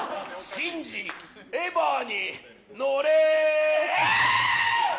シンジ、エヴァに乗れ。